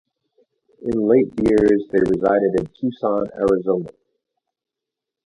In later years they resided in Tucson, Arizona.